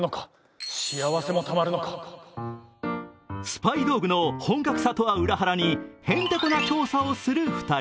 スパイ道具の本格さとは裏腹にへんてこな調査をする２人。